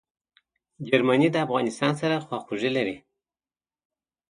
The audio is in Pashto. جرمني د افغانستان سره خواخوږي لري.